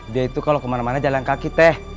dia itu kalau kemana mana jalan kaki teh